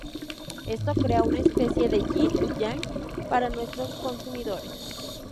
Esto crea una especie de yin y yang para nuestros consumidores.